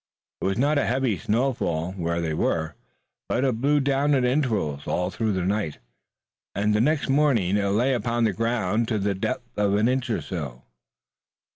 It was not a heavy snow fall where they were, but it blew down at intervals all through the night, and the next morning it lay upon the ground to the depth of an inch or so.